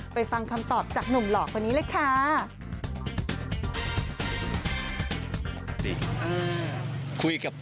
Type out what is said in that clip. ฟังคำตอบจากหนุ่มหล่อคนนี้เลยค่ะ